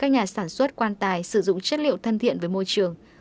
các nhà sản xuất quan tài sử dụng chất liệu thân thiện với môi trường